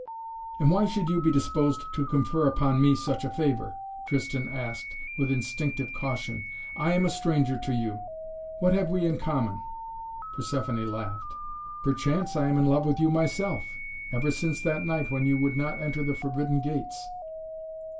"And why should you be disposed to confer upon me such a favor?" Tristan asked with instinctive caution. "I am a stranger to you. What have we in common?" Persephoné laughed. "Perchance I am in love with you myself ever since that night when you would not enter the forbidden gates.